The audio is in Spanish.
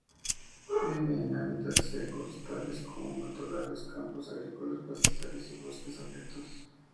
Vive en hábitats secos, tales como matorrales, campos agrícolas, pastizales y bosques abiertos.